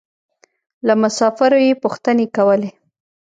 له مسافرو يې پوښتنې کولې.